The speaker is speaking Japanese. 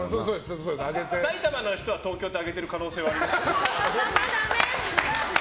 埼玉の人は東京って上げてる可能性はありますね。